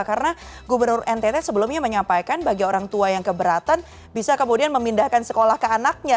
karena gubernur ntt sebelumnya menyampaikan bagi orang tua yang keberatan bisa kemudian memindahkan sekolah ke anaknya